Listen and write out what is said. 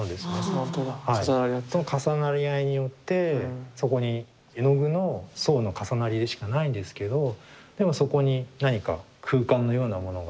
その重なり合いによってそこに絵の具の層の重なりでしかないんですけどでもそこに何か空間のようなものが我々の目には見えてくる。